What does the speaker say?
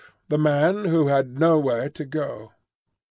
THE MAN WHO HAD NOWHERE TO GO.